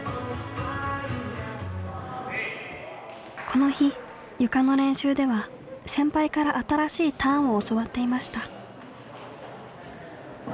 この日ゆかの練習では先輩から新しいターンを教わっていました。